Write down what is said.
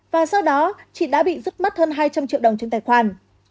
và sau đó chị đã bị dứt mất hơn hai trăm linh triệu đồng trên tài khoản